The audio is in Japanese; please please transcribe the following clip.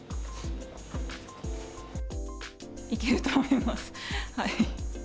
いけると思います。